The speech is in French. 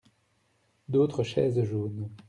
D’autres chaises jaunes.